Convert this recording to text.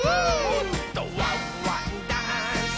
「もっと」「ワンワンダンス！」